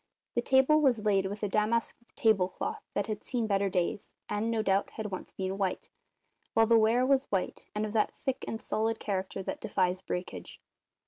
The table was laid with a damask table cloth that had seen better days, and, no doubt, had once been white, while the ware was white and of that thick and solid character that defies breakage.